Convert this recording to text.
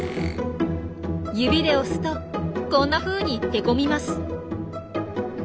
指で押すとこんなふうにへこみます。